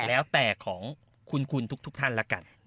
แล้วแต่ของคุณทุกท่านละกัน